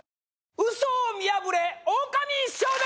ウソを見破れ「オオカミ少年」